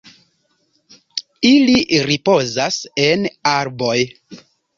Ili ripozas en arboj.